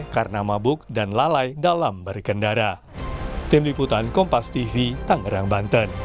karena mabuk dan lalai dalam berkendara